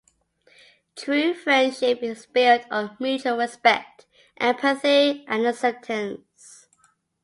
True friendship is built on mutual respect, empathy, and acceptance.